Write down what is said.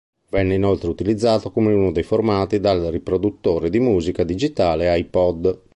Viene inoltre utilizzato come uno dei formati dal riproduttore di musica digitale iPod.